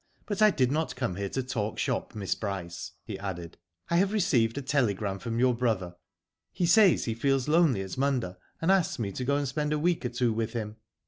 But I did not come here to talk shop. Miss Bryce," he added. " I have received a telegram from your brother; he says he feels lonely at Munda, and asks me to go and spend a week or two with him."